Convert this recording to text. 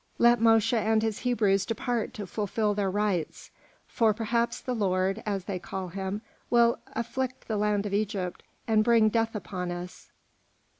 Let Mosche and his Hebrews depart to fulfil their rites, for perhaps the Lord, as they call him, will afflict the land of Egypt and bring death upon us."